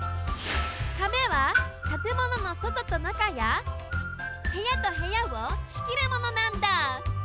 壁はたてもののそととなかやへやとへやをしきるものなんだ。